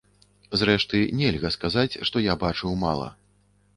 Зрэшты, нельга сказаць, што я бачыў мала.